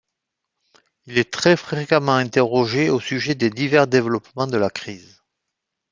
Il est très fréquemment interrogé au sujet des divers développements de la crise.